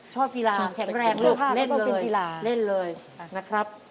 ชอบภีราแข็งแรงลูกเล่นเลยเล่นเลยนะครับ